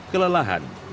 kelelahan dan kegagalan